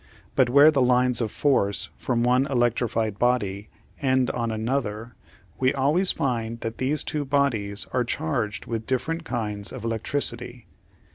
But where the lines of force from one electrified body end on another, we always find that these two bodies are charged with different kinds of electricity.